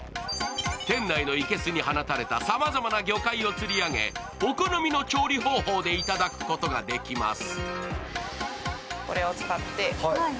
店内の生けすに放たれたさまざまな魚介を釣り上げ、お好みの調理方法でいただくことができます。